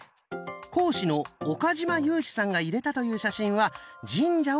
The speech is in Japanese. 講師の岡嶋裕史さんが入れたという写真は神社を写したもの。